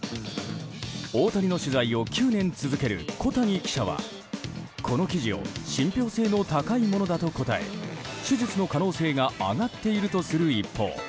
大谷の取材を９年続ける小谷記者はこの記事を信憑性が高いものだと答え手術の可能性が上がっているとする一方